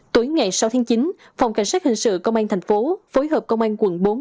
tối ngày sáu tháng chín phòng cảnh sát hình sự công an thành phố phối hợp công an quận bốn